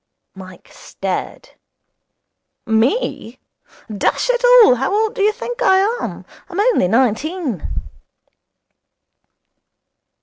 Mike stared. 'Me! Dash it all, how old do you think I am? I'm only nineteen.'